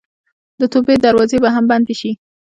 د توبې دروازه به هم بنده شي.